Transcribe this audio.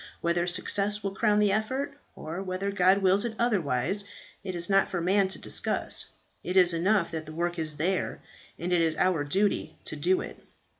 Whether success will crown the effort, or whether God wills it otherwise, it is not for man to discuss; it is enough that the work is there, and it is our duty to do it."